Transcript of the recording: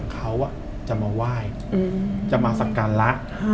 เขาจะมาไหว้จะมาศักรรณ์ละ